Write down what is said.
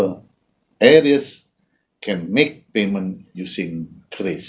dapat membuat uang menggunakan kris